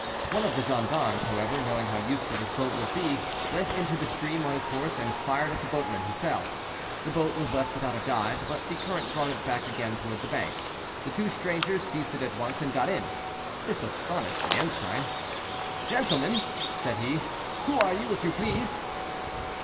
One of the gendarmes, however, knowing how useful this boat would be, went into the stream on his horse and fired at the boatman, who fell. The boat was left without a guide, but the current brought it back again toward the bank. The two strangers seized it at once and got in. This astonished the ensign. "Gentlemen," said he, "who are you, if you please?"